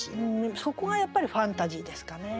そこがやっぱりファンタジーですかね。